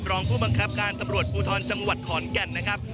รองผู้บังคับการตำรวจภูทรจังหวัดขอนแก่นนะครับ